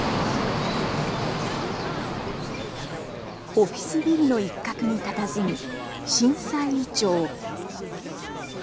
オフィスビルの一角にたたずむ震災イチョウ。